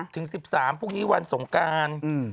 ถึง๑๓พรุ่งนี้วันสงการ